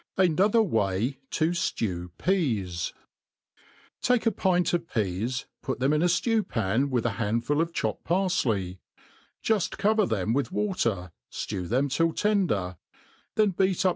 Anothr TVay ia ftew Ptas* TAitE a pint of peas, put them in a ftew pan with » handful of chopped parJtey; jufl cover them with waller, flew* ihem till tender ; thert beat up.